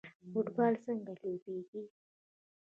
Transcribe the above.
فوټبال څنګه لوبیږي؟